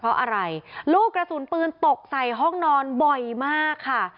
เพราะอะไรลูกกระสุนปืนตกใส่ห้องนอนบ่อยมากค่ะ